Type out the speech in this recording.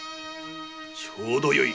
ちょうどよい。